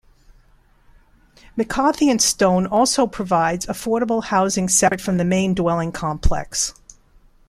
McCarthy and Stone also provides affordable housing separate from the main dwelling complex.